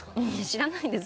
知らないです。